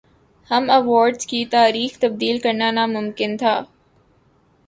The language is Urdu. ہم ایوارڈز کی تاریخ تبدیل کرنا ناممکن تھا